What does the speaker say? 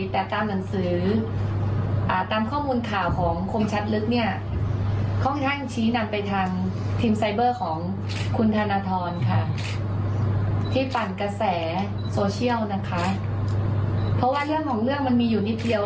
ที่ปั่นกระแสโซเชียลนะคะเพราะว่าเรื่องของเรื่องมันมีอยู่นิดเดียว